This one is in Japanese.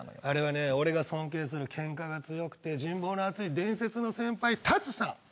あれはね俺が尊敬するケンカが強くて人望の厚い伝説の先輩たつさん。